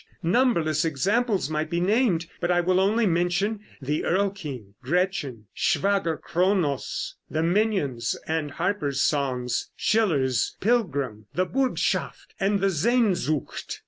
Numberless examples might be named, but I will only mention the 'Erl King,' 'Gretchen,' 'Schwager Kronos,' 'The Mignon's and Harper's Songs,' 'Schiller's Pilgrim,' the 'Burgschaft' and the 'Sehnsucht.'"